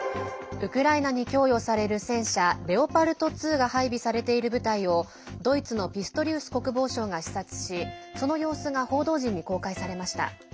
ウクライナに供与される戦車レオパルト２が配備されている部隊をドイツのピストリウス国防相が視察しその様子が報道陣に公開されました。